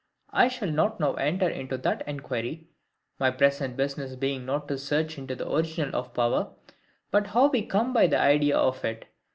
I shall not now enter into that inquiry, my present business being not to search into the original of power, but how we come by the IDEA of it.